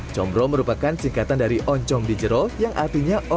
combro merupakan singkatan dari oncom bijero yang artinya oncom